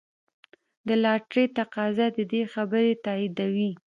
د لاټرۍ تقاضا د دې خبرې تاییدوي.